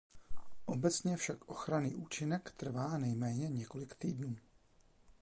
Obecně však ochranný účinek trvá nejméně několik týdnů.